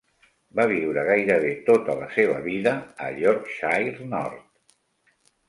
Va viure gairebé tota la seva vida a Yorkshire Nord.